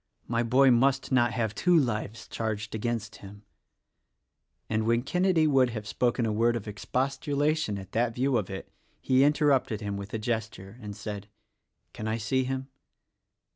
My boy must not have 46 THE RECORDING ANGEL 47 two lives charged against him;" and when Kenedy would have spoken a word of expostulation at that view of it he interrupted him with a gesture and said, "Can I see him?"